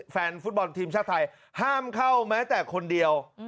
แฟนฟุตบอลทีมชาติไทยห้ามเข้าแม้แต่คนเดียว